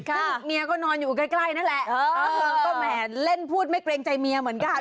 ซึ่งเมียก็นอนอยู่ใกล้นั่นแหละก็แหมเล่นพูดไม่เกรงใจเมียเหมือนกัน